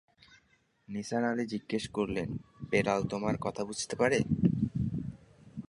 নিসার আলি জিজ্ঞেস করলেন, বেড়াল তোমার কথা বুঝতে পারে?